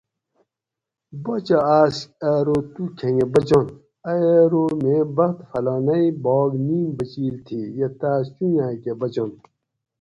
باچہ آس کہ ارو تو کھنگہ بچنت ائ ارو میں بخت فلانیٔ باگ نیِن بچیل تھی یہ تاۤس چونجاۤکہۤ بچنت